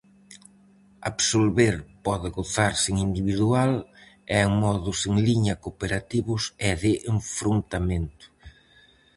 Absolver pode gozarse en individual e en modos en liña cooperativos e de enfrontamento.